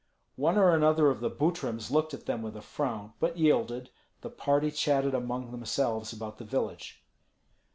One or another of the Butryms looked at them with a frown, but yielded; the party chatted among themselves about the village.